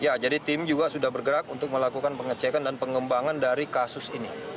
ya jadi tim juga sudah bergerak untuk melakukan pengecekan dan pengembangan dari kasus ini